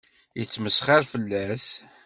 Yettmesxiṛ fell-as.